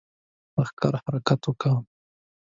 لښکر حرکت کوو.